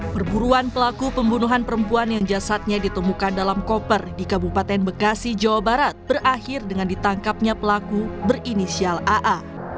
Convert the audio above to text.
perburuan pelaku pembunuhan perempuan yang jasadnya ditemukan dalam koper di kabupaten bekasi jawa barat berakhir dengan ditangkapnya pelaku berinisial aa